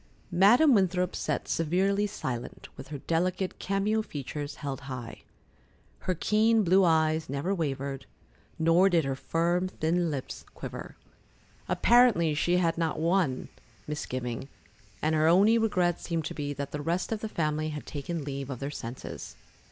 Madam Winthrop sat severely silent, with her delicate, cameo features held high. Her keen blue eyes never wavered, nor did her firm, thin lips quiver. Apparently, she had not one misgiving, and her only regret seemed to be that the rest of the family had taken leave of their senses.